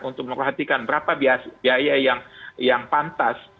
untuk memperhatikan berapa biaya yang pantas